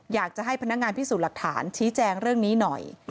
อยากจะให้พนักงานพิสูจน์หลักฐานชี้แจงเรื่องนี้หน่อย